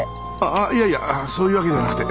あっいやいやそういうわけじゃなくて。